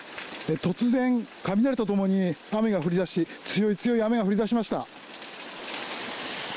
突然、雷と共に雨が降り出し強い強い雨が降り出しました。